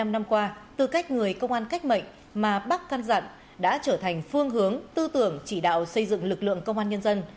bảy mươi năm năm qua tư cách người công an cách mệnh mà bác căn dặn đã trở thành phương hướng tư tưởng chỉ đạo xây dựng lực lượng công an nhân dân